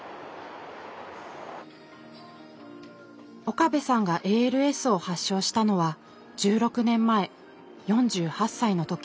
岡部さんがＡＬＳを発症したのは１６年前４８歳の時。